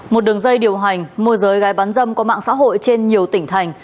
một đường dây điều hành môi giới gái bán dâm có mạng xã hội trên nhiều tỉnh thành